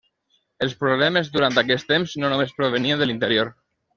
Els problemes durant aquest temps no només provenien de l'interior.